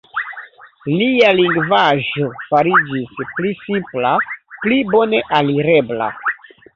Lia lingvaĵo fariĝis pli simpla, pli bone alirebla.